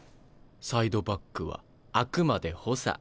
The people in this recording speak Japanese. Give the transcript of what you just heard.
サイドバックはあくまで補佐。